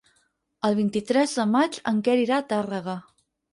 El vint-i-tres de maig en Quer irà a Tàrrega.